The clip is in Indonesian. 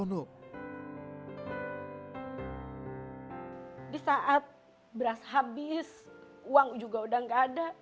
saat beras habis uang juga sudah tidak ada